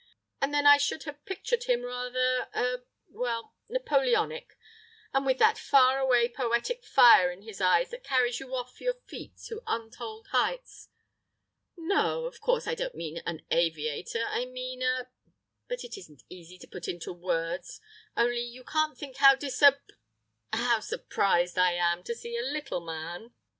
And then I should have pictured him rather—er—well, Napoleonic, and with that far away poetic fire in his eyes that carries you off your feet to untold heights.... "No, of course I don't mean an aviator! I mean a—but it isn't easy to put it into words; only you can't think how disap—how surprised I am to see a little man....